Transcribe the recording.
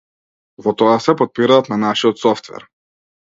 Во тоа се потпираат на нашиот софтвер.